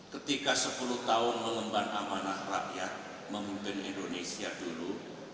ketika sepuluh tahun mengemban amanah rakyat memimpin indonesia dulu